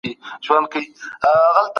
ښه او ګټور مواد خپاره کړئ.